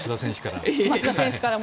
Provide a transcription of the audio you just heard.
増田選手から。